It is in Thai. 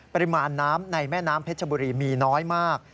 ปริมาณน้ำในแม่น้ำเพชรบุรีมีน้อยมาก